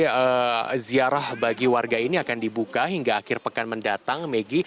jadi ziarah bagi warga ini akan dibuka hingga akhir pekan mendatang